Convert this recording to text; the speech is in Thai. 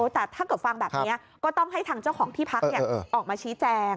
แต่ถ้าเกิดฟังแบบนี้ก็ต้องให้ทางเจ้าของที่พักออกมาชี้แจง